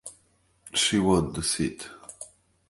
She won the seat.